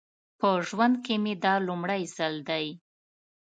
په ژوند کې مې دا لومړی ځل دی.